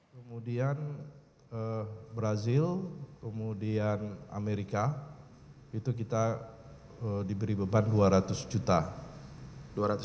kemudian brazil kemudian amerika itu kita diberi beban dua ratus juta